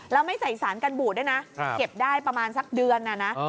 แล้วไม่ใส่สารกันบูดด้วยนะเก็บได้ประมาณสักเดือนนะนะ